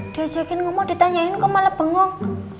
dijekin ngomong ditanyain kok malah bengong